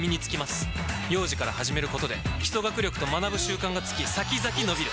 幼児から始めることで基礎学力と学ぶ習慣がつき先々のびる！